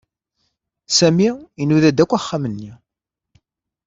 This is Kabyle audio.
Sami inuda-d akk axxam-nni.